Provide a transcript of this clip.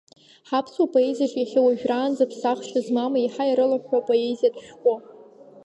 Ҳаԥсуа поезиаҿ иахьа уажәраанӡа ԥсахшьа змам, еиҳа ирылыҳәҳәо апоезиатә шәҟәы.